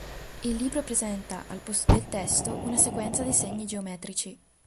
Il libro presenta, al posto del testo, una sequenza di segni geometrici.